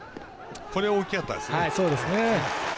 これ大きかったですね。